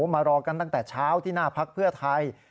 มารอกันตั้งแต่เช้าที่หน้าพักเพื่อไทย